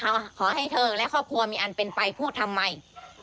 แม่คนที่ตายก็ไม่มีใครเชื่อหรอก